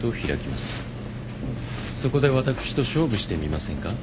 そこで私と勝負してみませんか？